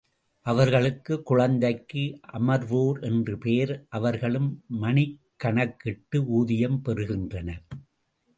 அவர்களுக்கு குழந்தைக்கு அமர்வோர் என்று பெயர், அவர்களும் மணிக்கணக்கிட்டு ஊதியம் பெறுகின்றனர்.